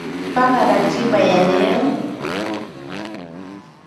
Panga ratiba ya leo.